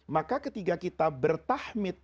maka ketika kita bertahmid